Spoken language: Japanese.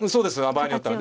場合によっては。